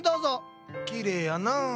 きれいやな！